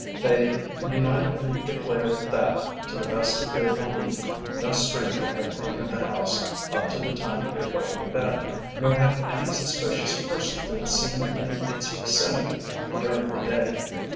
They unitedly declared that, to the best of their belief, no stranger had entered the house up to the time of their going to bed, nor had any suspicious person been seen in its vicinity during the day.